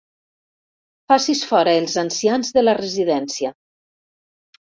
Facis fora els ancians de la residència.